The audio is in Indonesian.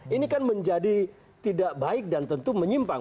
ini kan menjadi tidak baik dan tentu menyimpang